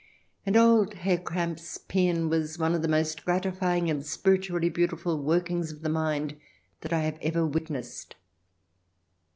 And old Herr Kramp's paean was one of the most gratifying and spiritually beautiful workings of the mind that I have ever witnessed.